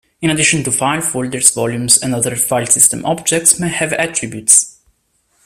In addition to files, folders, volumes and other file system objects may have attributes.